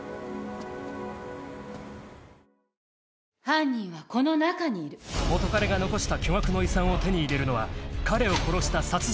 「犯人はこの中にいる」［元カレが残した巨額の遺産を手に入れるのは彼を殺した殺人犯］